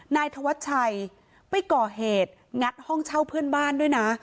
นายธวัชชัยไปก่อเหตุงัดห้องเช่าเพื่อนบ้านด้วยนะ